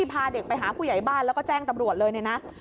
ผู้ใหญ่บ้านแล้วก็แจ้งตำรวจเลยเนี่ยนะ